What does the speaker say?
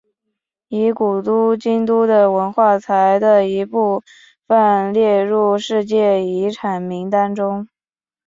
以古都京都的文化财的一部份列入世界遗产名单中。